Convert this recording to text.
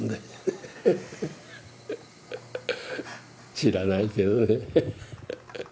知らないけどね